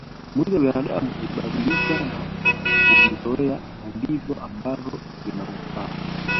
Mwili wa binadamu ulibadilika na kuvizoea na ndivyo ambavyo vinaufaa